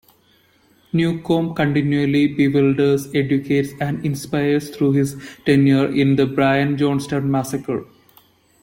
Newcombe continually bewilders, educates and inspires through his tenure in the Brian Jonestown Massacre.